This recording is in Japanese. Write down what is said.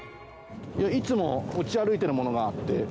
いつも持ち歩いてるものがあって。